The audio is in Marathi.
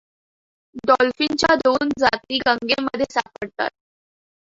डॉल्फिनच्या दोन जाती गंगेमध्ये सापडतात.